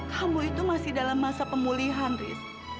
kamu itu masih dalam masa pemulihan riz